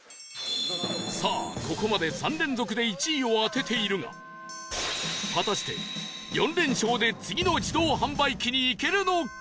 さあここまで３連続で１位を当てているが果たして４連勝で次の自動販売機にいけるのか？